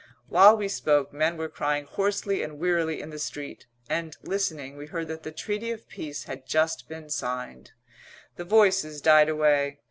While we spoke, men were crying hoarsely and wearily in the street, and, listening, we heard that the Treaty of Peace had just been signed. The voices died away.